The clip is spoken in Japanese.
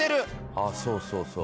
「ああそうそうそう」